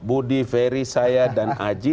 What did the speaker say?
budi ferry saya dan aji